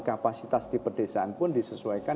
kapasitas di pedesaan pun disesuaikan